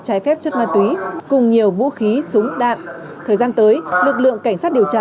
trái phép chất ma túy cùng nhiều vũ khí súng đạn thời gian tới lực lượng cảnh sát điều tra